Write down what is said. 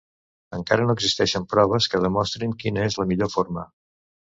Encara no existeixen proves que demostrin quina és la millor forma.